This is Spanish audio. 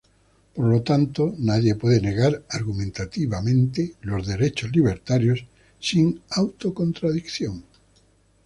Por lo tanto, nadie puede negar argumentativa mente los derechos libertarios sin auto-contradicción.